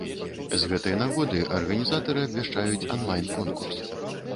З гэтай нагоды арганізатары абвяшчаюць онлайн-конкурс.